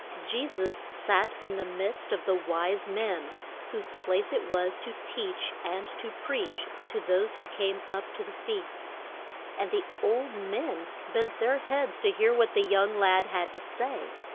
Je sus sat in the midst of the wise men, whose place it was to teach and to preach to those who came up to the feasts, and the old men bent their heads to hear what the young lad had to say.